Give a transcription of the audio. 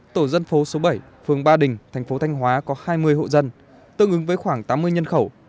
tổ dân phố số bảy phường ba đình thành phố thanh hóa có hai mươi hộ dân tương ứng với khoảng tám mươi nhân khẩu